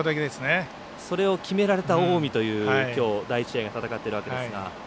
それを決められた近江がきょう、第１試合戦っているわけですが。